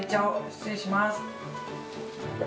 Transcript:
失礼します。